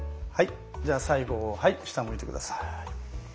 じゃあ最後下むいて下さい。